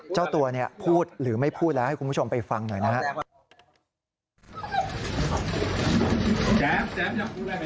เจ้าตัวเนี่ยพูดหรือไม่พูดแล้วให้คุณผู้ชมไปฟังหน่อยนะครับ